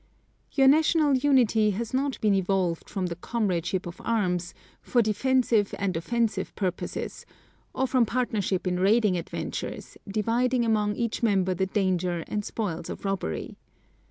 Your national unity has not been evolved from the comradeship of arms for defensive and offensive purposes, or from partnership in raiding adventures, dividing among each member the danger and spoils of robbery.